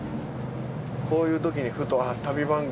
こういうときにふと。